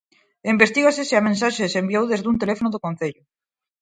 Investígase se a mensaxe se enviou desde un teléfono do Concello.